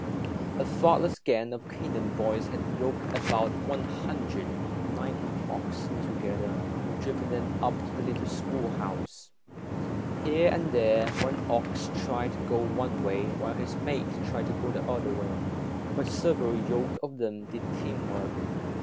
A thoughtless gang of Canaan boys had yoked about one hundred and ninety oxen together and driven them up to the little schoolhouse. Here and there, one ox tried to go one way while his mate tried to go the other way, but several yoke of them did team work.